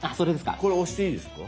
これ押していいですか？